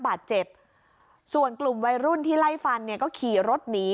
บาดเจ็บส่วนกลุ่มวัยรุ่นที่ไล่ฟันเนี่ยก็ขี่รถหนี